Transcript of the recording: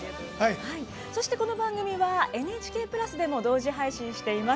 この番組はＮＨＫプラスでも同時配信しています。